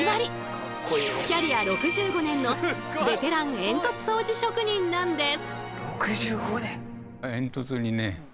キャリア６５年のベテラン煙突掃除職人なんです。